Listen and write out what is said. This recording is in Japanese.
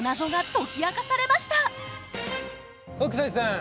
北斎さん